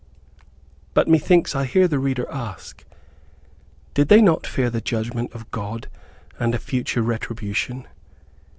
But methinks I hear the reader ask, "Did they not fear the judgment of God and a future retribution?"